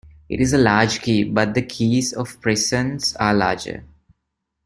It is a large key, but the keys of prisons are larger.